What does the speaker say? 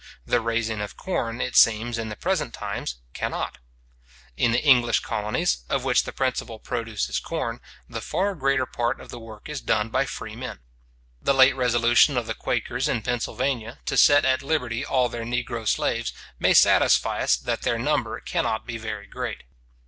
The raising of corn, it seems, in the present times, cannot. In the English colonies, of which the principal produce is corn, the far greater part of the work is done by freemen. The late resolution of the Quakers in Pennsylvania, to set at liberty all their negro slaves, may satisfy us that their number cannot be very great.